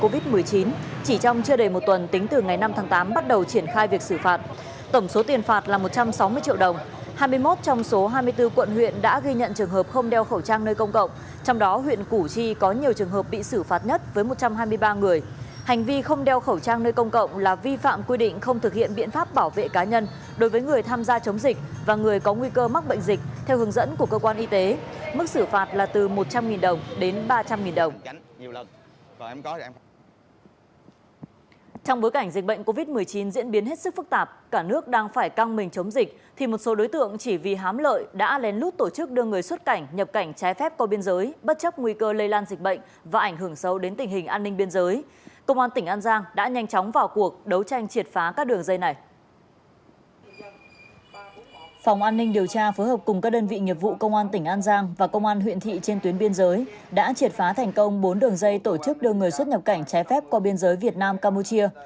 phòng an ninh điều tra phối hợp cùng các đơn vị nhiệm vụ công an tỉnh an giang và công an huyện thị trên tuyến biên giới đã triệt phá thành công bốn đường dây tổ chức đưa người xuất nhập cảnh trái phép qua biên giới việt nam campuchia